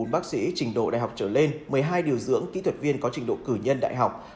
một bác sĩ trình độ đại học trở lên một mươi hai điều dưỡng kỹ thuật viên có trình độ cử nhân đại học